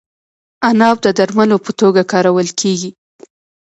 عناب د درملو په توګه کارول کیږي.